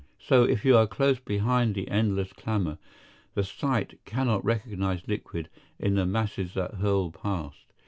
So, if you are close behind the endless clamor, the sight cannot recognize liquid in the masses that hurl past.